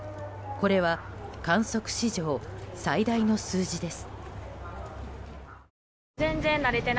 これは観測史上最大の数字です。